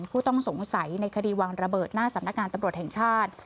ผู้ต้องสงสัยในคดีวางระเบิดหน้าสำนักงานตำรวจแห่งชาติ